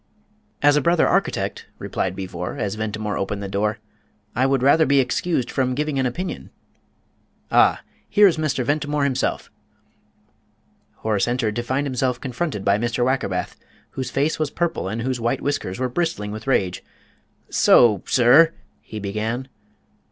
"As a brother architect," replied Beevor, as Ventimore opened the door, "I would rather be excused from giving an opinion.... Ah, here is Mr. Ventimore himself." Horace entered, to find himself confronted by Mr. Wackerbath, whose face was purple and whose white whiskers were bristling with rage. "So, sir!" he began.